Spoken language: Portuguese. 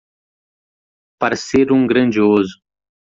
Para ser um grandioso